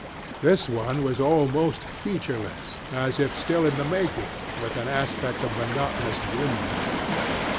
This one was almost featureless, as if still in the making, with an aspect of monotonous grimness.